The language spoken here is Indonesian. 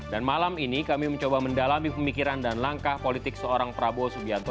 dan malam ini kami mencoba mendalami pemikiran dan langkah politik seorang prabowo subianto